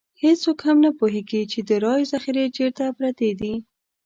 هېڅوک هم نه پوهېږي چې د رایو ذخیرې چېرته پرتې دي.